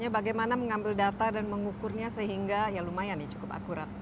bagaimana mengambil data dan mengukurnya sehingga ya lumayan ya cukup akurat